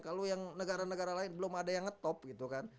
kalau yang negara negara lain belum ada yang ngetop gitu kan